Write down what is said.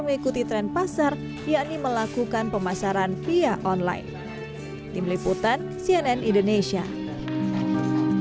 mengikuti tren pasar yakni melakukan pemasaran via online tim liputan cnn indonesia